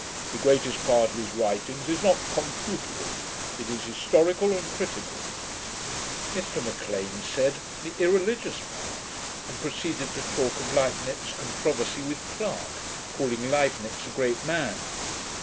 The greatest part of his writings is not confutable: it is historical and critical.' Mr M'Lean said, 'the irreligious part'; and proceeded to talk of Leibnitz's controversy with Clarke, calling Leibnitz a great man.